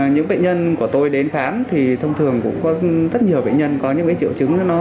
những bệnh nhân của tôi đến khám thì thông thường cũng có rất nhiều bệnh nhân có những triệu chứng